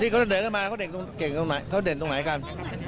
เขาเก่งตรงไหนเขาเด่นตรงไหนกัน